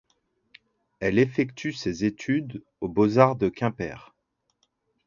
Elle effectue ses études aux Beaux-Arts de Quimper.